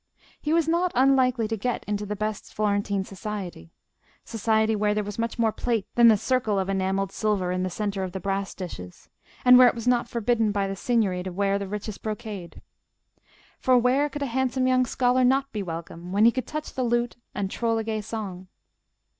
He was not unlikely to get into the best Florentine society: society where there was much more plate than the circle of enamelled silver in the centre of the brass dishes, and where it was not forbidden by the Signory to wear the richest brocade. For where could a handsome young scholar not be welcome when he could touch the lute and troll a gay song?